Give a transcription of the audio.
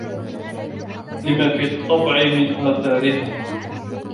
لِمَا فِي الطَّبْعِ مِنْ آثَارِهَا